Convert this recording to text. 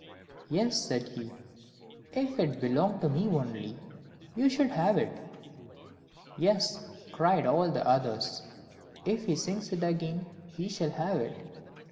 "Yes," said he, "if it belonged to me only, you should have it." "Yes," cried all the others, "if he sings it again, he shall have it."